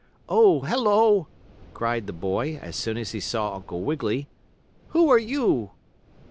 "Oh, hello!" cried the boy, as soon as he saw Uncle Wiggily. "Who are you?"